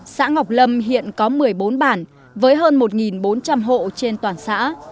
xã ngọc lâm hiện có một mươi bốn bản với hơn một bốn trăm linh hộ trên toàn xã